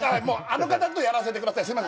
もうあの方とやらせてください